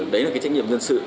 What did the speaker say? đấy là cái trách nhiệm dân sự